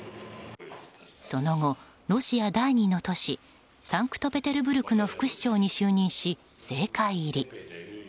その後、ロシア第２の都市サンクトペテルブルクの副市長に就任し、政界入り。